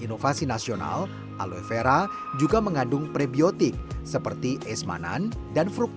manfaat akan merupakan hikmah bersangka sangka ke